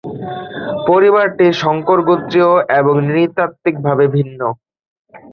পরিবারটি শঙ্কর গোত্রীয় এবং নৃ-তাত্ত্বিকভাবে ভিন্ন।